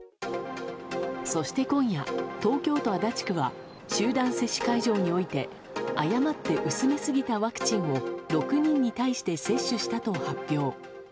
そして今夜、東京都足立区は集団接種会場において誤って薄めすぎたワクチンを６人に対して接種したと発表。